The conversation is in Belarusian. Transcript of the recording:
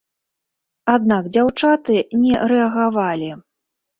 Аднак дзяўчаты не рэагавалі.